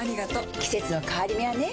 季節の変わり目はねうん。